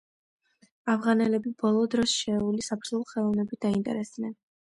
ავღანელები ბოლო დროს შერეული საბრძოლო ხელოვნებით დაინტერესდნენ.